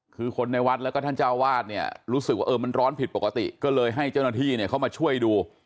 คือคนในวัดแล้วก็ท่านเจ้าวาดเนี่ยรู้สึกว่าเออมันร้อนผิดปกติก็เลยให้เจ้าหน้าที่เนี่ยเข้ามาช่วยดู